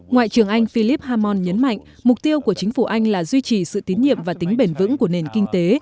ngoại trưởng anh philip hamon nhấn mạnh mục tiêu của chính phủ anh là duy trì sự tín nhiệm và tính bền vững của nền kinh tế